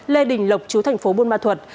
lê đình lộc chú thành phố buôn ma thuật